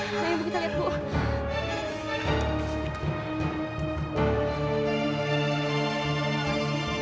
tidak ibu kita lihat ibu